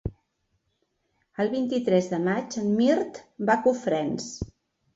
El vint-i-tres de maig en Mirt va a Cofrents.